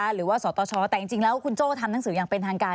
สตชแต่จริงแล้วคุณโจ้ทำหนังสืออย่างเป็นทางการ